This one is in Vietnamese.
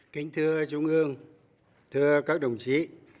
kính thưa trung ương thưa các đồng chí